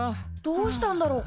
どうしたんだろ？